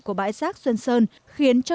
của bãi rác xuân sơn khiến cho